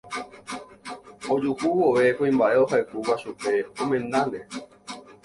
Ojuhu vove kuimba'e ohayhúva chupe omendáne.